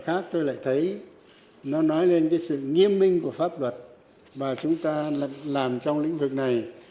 khác tôi lại thấy nó nói lên cái sự nghiêm minh của pháp luật và chúng ta làm trong lĩnh vực này